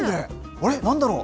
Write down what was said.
あれ、なんだろう。